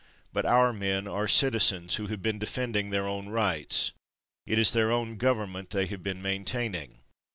But our men are citizens who have been defending their own rights. It is their own government they have been maintaining.